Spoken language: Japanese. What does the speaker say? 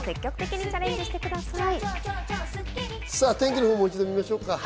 天気のほう、もう一度見ましょう。